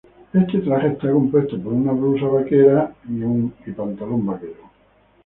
El traje está compuesto por una blusa de jean y un blue jean.